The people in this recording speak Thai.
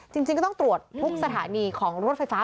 จริงก็ต้องตรวจทุกสถานีของรถไฟฟ้า